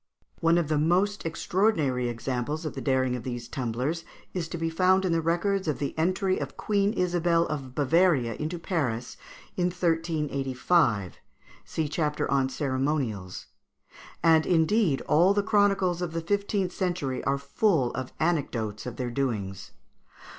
] One of the most extraordinary examples of the daring of these tumblers is to be found in the records of the entry of Queen Isabel of Bavaria into Paris, in 1385 (see chapter on Ceremonials); and, indeed, all the chronicles of the fifteenth century are full of anecdotes of their doings.